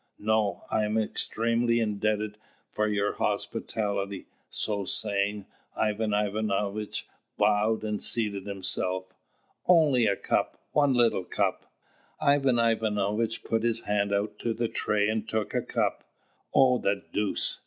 "No: I am extremely indebted for your hospitality." So saying, Ivan Ivanovitch bowed and seated himself. "Only a cup, one little cup!" Ivan Ivanovitch put his hand out to the tray and took a cup. Oh, the deuce!